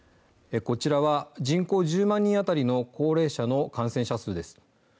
こちらは、人口１０万人当たりの高齢者の感染者数です。